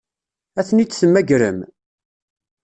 Ad ten-id-temmagrem?